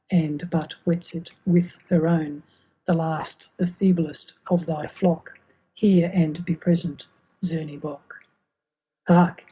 And but wets it with her own, The last the feeblest of thy flocky^ Hear — and be present, Zemebock !^ Hark